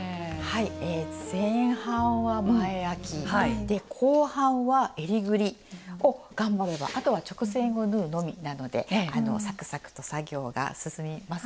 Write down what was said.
前半は前あき後半はえりぐりを頑張ればあとは直線を縫うのみなのでサクサクと作業が進みますよ。